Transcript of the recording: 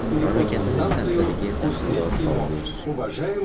Mamlakatimiz taqdiriga daxldor qomus